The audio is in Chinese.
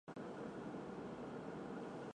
拟全缘比赖藓为锦藓科比赖藓属下的一个种。